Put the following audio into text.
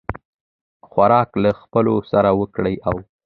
خوراک له خپلو سره وکړه او